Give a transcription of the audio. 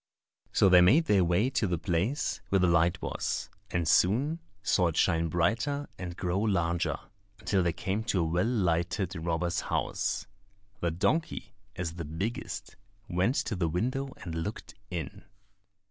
So they made their way to the place where the light was, and soon saw it shine brighter and grow larger, until they came to a well lighted robber's house. The donkey, as the biggest, went to the window and looked in.